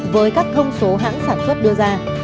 với các thông số hãng sản xuất đưa ra